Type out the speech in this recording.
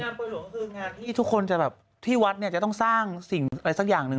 บุญหลวงคืองานที่ทุกคนจะแบบที่วัดเนี่ยจะต้องสร้างสิ่งอะไรสักอย่างหนึ่ง